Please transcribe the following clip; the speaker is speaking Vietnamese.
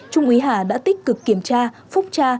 trung úy hà đã tích cực kiểm tra phúc tra